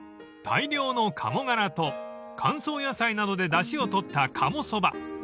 ［大量の鴨ガラと乾燥野菜などでだしをとった鴨そば］